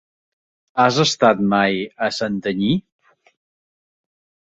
Has estat mai a Santanyí?